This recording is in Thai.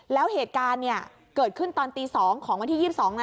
แล้วเหตุการณ์เกิดขึ้นตอนตี๒ของวันที่๒๒